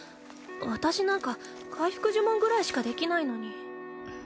私なんか回復呪文くらいしかできないのに。